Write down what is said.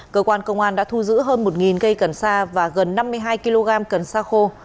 cơ quan công an đã thu giữ hơn một cây cần sa và gần năm mươi hai kg cần sa khô